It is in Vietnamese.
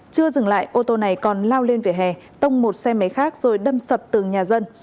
chưa dừng lại ô tô này còn lao lên vỉa hè tông một xe máy khác rồi đâm sập từng nhà dân